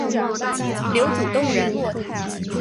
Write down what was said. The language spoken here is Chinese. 刘祖洞人。